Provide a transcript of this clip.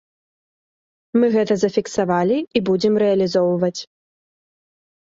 Мы гэта зафіксавалі і будзем рэалізоўваць.